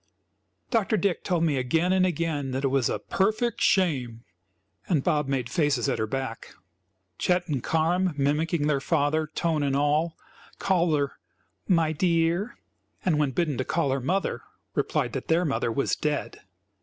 Dr. Dick told me again and again that it was "a perfect shame!" and Bob made faces at her back. Chet and Carm mimicking their father, tone and all called her "my dear;" and, when bidden to call her mother, replied that their mother was dead.